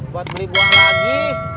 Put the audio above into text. buat beli buah lagi